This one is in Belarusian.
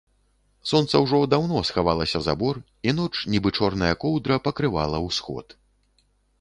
Сонца ўжо даўно схавалася за бор, і ноч, нібы чорная коўдра, пакрывала ўсход.